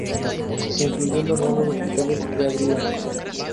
Incluyendo nuevos hospitales que abrían.